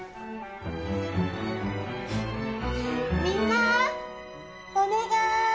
みんなお願い！